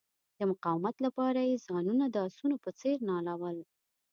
د مقاومت لپاره یې ځانونه د آسونو په څیر نالول.